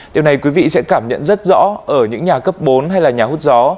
điều này quý vị sẽ cảm nhận rất rõ ở những nhà cấp bốn hay là nhà hút gió